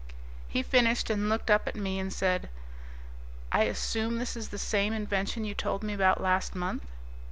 He finished and looked up at me and said, "I assume this is the same invention you told me about last month?"